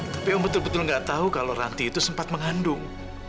tapi om betul betul nggak tahu kalau ranti itu sempat mengandung